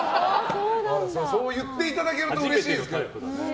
そう言っていただけるとうれしいですけど。